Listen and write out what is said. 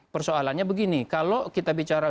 persoalannya begini kalau kita bicara